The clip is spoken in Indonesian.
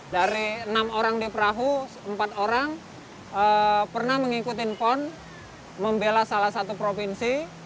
dari enam orang di perahu empat orang pernah mengikuti pon membela salah satu provinsi